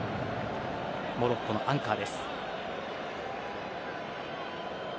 モロッコのアンカーです。